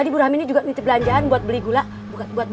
bu rahmini mah kadang kadang suka lewat